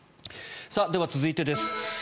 では、続いてです。